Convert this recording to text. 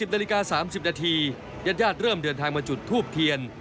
นาฬิกา๓๐นาทีญาติเริ่มเดินทางมาจุดทูบเทียน